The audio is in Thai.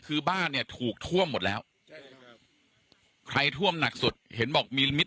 คือบ้านเนี่ยถูกท่วมหมดแล้วใครท่วมหนักสุดเห็นบอกมีลมิต